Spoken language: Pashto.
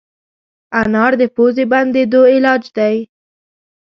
انار د پوزې بندېدو علاج دی.